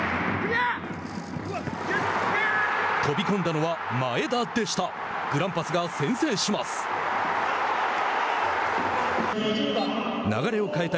飛び込んだのは前田でした。